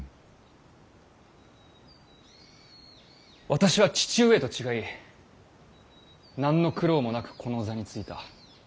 私は父上と違い何の苦労もなくこの座に就いた。